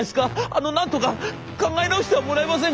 あのなんとか考え直してはもらえませんか！」。